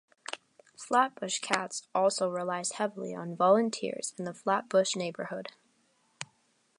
Flatbush Cats also relies heavily on volunteers in the Flatbush neighborhood.